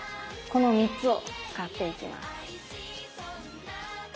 この３つを使っていきます。